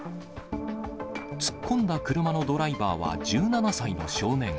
突っ込んだ車のドライバーは１７歳の少年。